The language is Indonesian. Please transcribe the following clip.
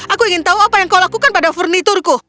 aku ingin tahu apa yang kau lakukan pada furniturku